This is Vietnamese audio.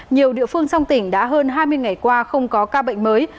nhiều địa phương trong tỉnh đã hơn hai mươi ngày qua không có ca bệnh mới